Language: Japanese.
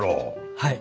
はい。